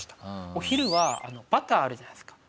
お昼はバターあるじゃないですか。